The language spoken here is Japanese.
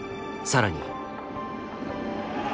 更に。